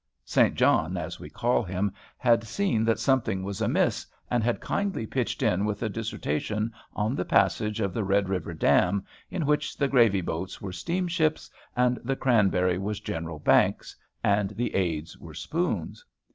Saint John, as we call him, had seen that something was amiss, and had kindly pitched in with a dissertation on the passage of the Red River Dam, in which the gravy boats were steamships, and the cranberry was General Banks, and the aids were spoons.